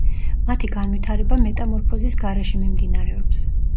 მათი განვითარება მეტამორფოზის გარეშე მიმდინარეობს.